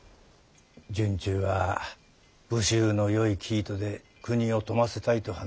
惇忠は武州のよい生糸で国を富ませたいと話しております。